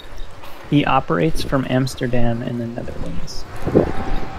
He operates from Amsterdam in the Netherlands.